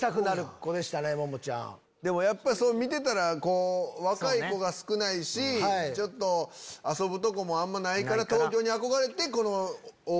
でもやっぱ見てたら若い子が少ないしちょっと遊ぶとこもあんまないから。